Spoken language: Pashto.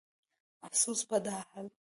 افسوس په دا حال